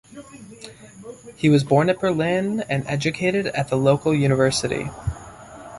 He was born at Berlin and educated at the local university.